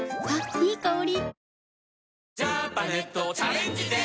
いい香り。